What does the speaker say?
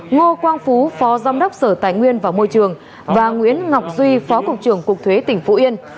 ngô quang phú phó giám đốc sở tài nguyên và môi trường và nguyễn ngọc duy phó cục trưởng cục thuế tỉnh phú yên